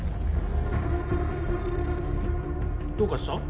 どうかした？